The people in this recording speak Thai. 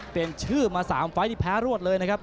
ชื่อมา๓ไฟล์นี่แพ้รวดเลยนะครับ